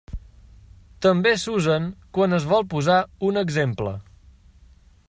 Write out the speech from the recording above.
També s'usen quan es vol posar un exemple.